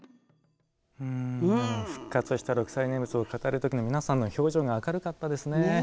復活した六斎念仏を語る時の皆さんの表情が明るかったですね。